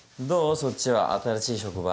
そっちは新しい職場。